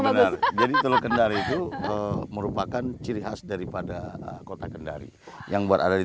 benar jadi teluk kendari itu merupakan ciri khas daripada kota kendari yang berada di